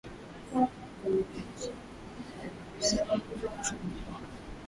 mjijin hochi wa musoma tanzania